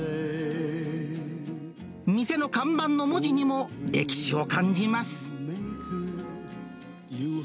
店の看板の文字にも、歴史を感じます。